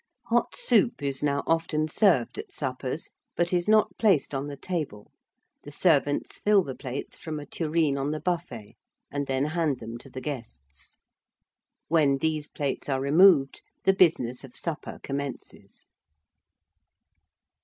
Hot soup is now often served at suppers, but is not placed on the table. The servants fill the plates from a tureen on the buffet, and then hand them to the guests: when these plates are removed, the business of supper commences.